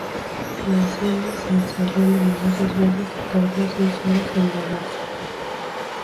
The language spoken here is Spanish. La escena se ensayó numerosas veces y tardó seis horas en grabarse.